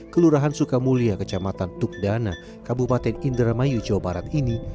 kelurahan sukamulia kecamatan tukdana kabupaten indramayu jawa barat ini